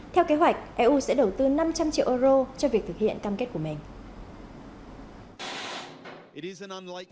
theo kế hoạch eu sẽ đầu tư năm trăm linh triệu euro cho việc thực hiện cam kết của mình